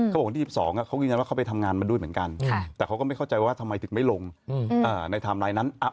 เขาบอกวันที่๒๒เขายืนยันว่าเขาไปทำงานมาด้วยเหมือนกันแต่เขาก็ไม่เข้าใจว่าทำไมถึงไม่ลงในไทม์ไลน์นั้น